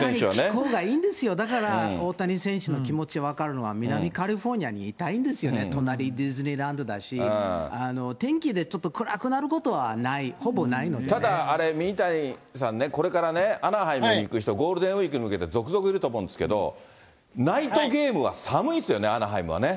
気候がいいんですよ、だから、大谷選手の気持ち分かるのは、南カリフォルニアにいたいんですよね、隣、ディズニーランドだし、天気でちょっと暗くなることはない、ただ、ミニタニさんね、これからね、アナハイムに行く人、ゴールデンウィークに向けて続々いると思うんですけれども、ナイトゲームは寒いですよね？